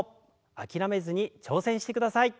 諦めずに挑戦してください。